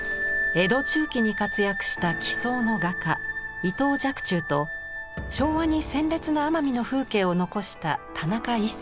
江戸中期に活躍した奇想の画家伊藤若冲と昭和に鮮烈な奄美の風景を残した田中一村。